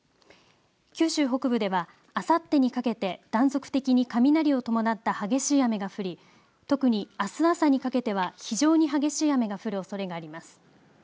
九州北部ではあさってにかけて断続的に雷を伴った激しい雨が降り特にあす朝にかけては非常に激しい雨が降るおそれがあります。